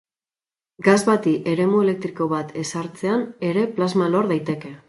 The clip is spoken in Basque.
Gas bati eremu elektriko bat ezartzean ere plasma lor daiteke.